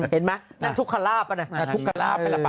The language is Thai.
เห็นไหมนั่นทุกขลาบน่ะ